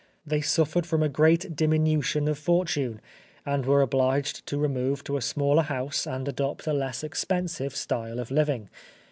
They suffered from a great diminution of fortune, and were obliged to remove to a smaller house and adopt a less expensive style of living.